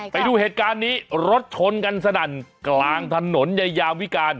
ไปดูเหตุการณ์นี้รถชนกันสนั่นกลางถนนยายามวิการ